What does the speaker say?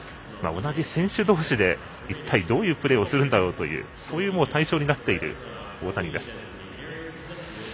同じ選手同士で一体どういうプレーをするんだろうとそういう対象になっている大谷です。